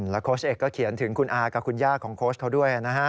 โค้ชเอกก็เขียนถึงคุณอากับคุณย่าของโค้ชเขาด้วยนะฮะ